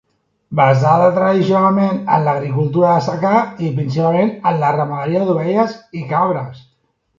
Basada tradicionalment en l'agricultura de secà i principalment en la ramaderia d'ovelles i cabres.